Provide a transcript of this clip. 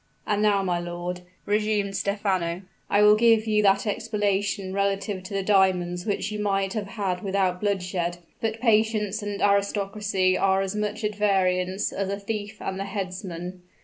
"And now, my lord," resumed Stephano, "I will give you that explanation relative to the diamonds which you might have had without bloodshed; but patience and aristocracy are as much at variance as a thief and the headsman.